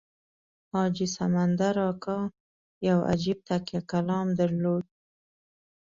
حاجي سمندر اکا یو عجیب تکیه کلام درلود.